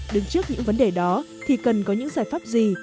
đứng trước những vấn đề đó thì cần có những giải pháp gì